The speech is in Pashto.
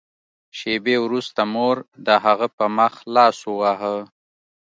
شېبې وروسته مور د هغه په مخ لاس وواهه